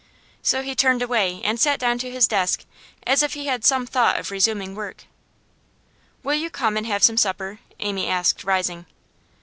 So he turned away and sat down to his desk, as if he had some thought of resuming work. 'Will you come and have some supper?' Amy asked, rising.